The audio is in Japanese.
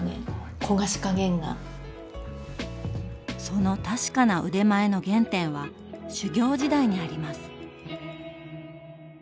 その確かな腕前の原点は修業時代にあります。